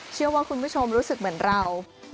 เชื่อว่าคุณผู้ชมรู้สึกเหมือนเรา